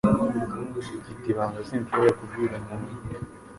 Mfite ibanga sinshobora kubwira umuntu